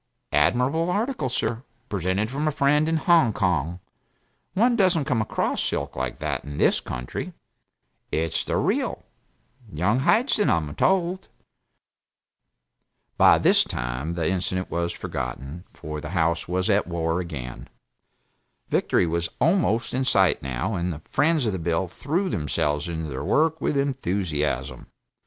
Admirable article, sir present from a friend in Hong Kong; one doesn't come across silk like that in this country it's the real Young Hyson, I'm told." By this time the incident was forgotten, for the House was at war again. Victory was almost in sight, now, and the friends of the bill threw themselves into their work with enthusiasm.